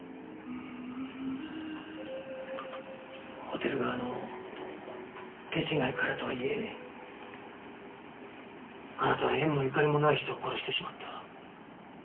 ホテル側の手違いからとはいえあなたは縁もゆかりもない人を殺してしまった。